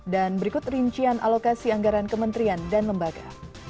dan berikut rincian alokasi anggaran kementerian dan lembaga